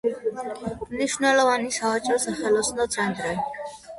მნიშვნელოვანი სავაჭრო-სახელოსნო ცენტრი.